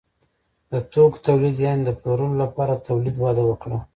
د توکو تولید یعنې د پلورلو لپاره تولید وده وکړه.